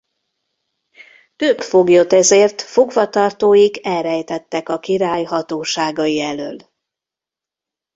Több foglyot ezért fogva tartóik elrejtettek a király hatóságai elől.